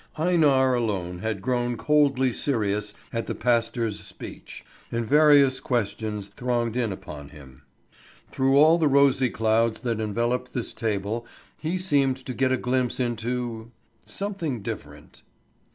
Einar alone had grown coldly serious at the pastor's speech, and various questions thronged in upon him. Through all the rosy clouds that enveloped this table he seemed to get a glimpse into something different.